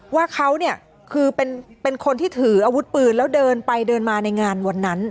ว่าเขาเนี่ยคือเป็นคนที่ถืออาวุธปืนแล้วเดินไปเดินมาในงานวันนั้น